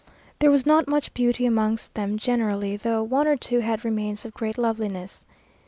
There was not much beauty amongst them generally, though one or two had remains of great loveliness.